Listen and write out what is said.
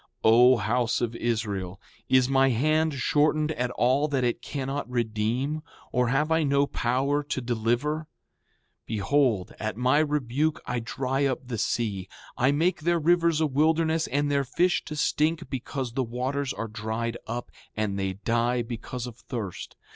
O house of Israel, is my hand shortened at all that it cannot redeem, or have I no power to deliver? Behold, at my rebuke I dry up the sea, I make their rivers a wilderness and their fish to stink because the waters are dried up, and they die because of thirst.